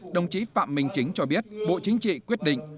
đồng chí phạm minh chính cho biết bộ chính trị quyết định